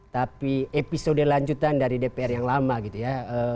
tapi episode lanjutan dari dpr yang lama gitu ya